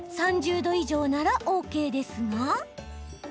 ３０度以上ならＯＫですが。